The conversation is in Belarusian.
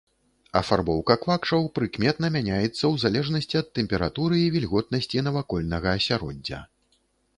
Афарбоўка квакшаў прыкметна мяняецца ў залежнасці ад тэмпературы і вільготнасці навакольнага асяроддзя.